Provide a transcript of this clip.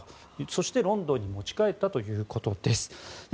そして、ロンドンに持ち帰ったということです。